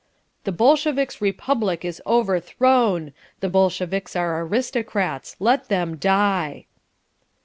"The Bolsheviks' Republic is overthrown. The Bolsheviks are aristocrats. Let them die."